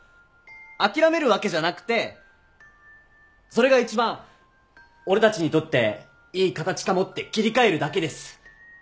諦めるわけじゃなくてそれが一番俺たちにとっていい形かもって切り替えるだけです。